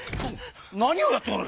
なにをやっておる！